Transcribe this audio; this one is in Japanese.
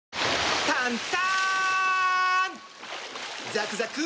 ザクザク！